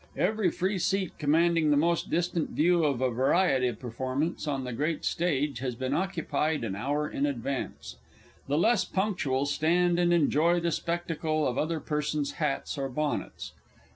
Every free seat commanding the most distant view of a Variety Performance on the Great Stage has been occupied an hour in advance. The less punctual stand and enjoy the spectacle of other persons' hats or bonnets.